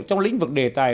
trong lĩnh vực đề tài